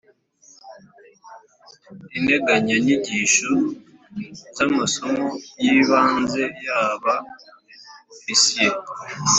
Integanyanyigisho z amasomo y ibanze ya ba Ofisiye